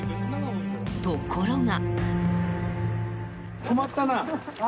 ところが。